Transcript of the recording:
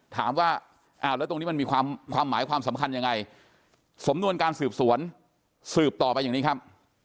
ถามว่าอ้าวแล้วตรงนี้มันมีความหมายความสำคัญยังไงสำนวนการสืบสวนสืบต่อไปอย่างนี้ครับ